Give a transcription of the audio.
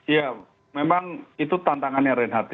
ya memang itu tantangannya reinhardt